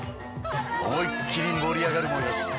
思いっ切り盛り上がるも良し。